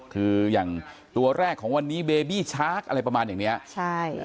คืออย่างตัวแรกของวันนี้เบบี้ชาร์คอะไรประมาณอย่างเนี้ยใช่